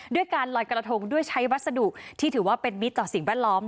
ด้วยการลอยกระทงด้วยใช้วัสดุที่ถือว่าเป็นมิตรต่อสิ่งแวดล้อม